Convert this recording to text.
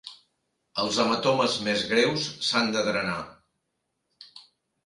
Els hematomes més greus s'han de drenar.